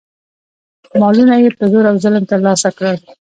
مالونه یې په زور او ظلم ترلاسه کړل.